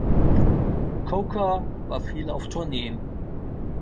Coker war viel auf Tourneen.